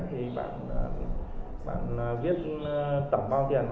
thì bạn viết tổng bao tiền